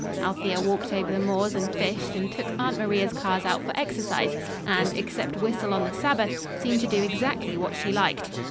Althea walked over the moors and fished and took Aunt Maria's cars out for exercise and, except whistle on the Sabbath, seemed to do exactly what she liked.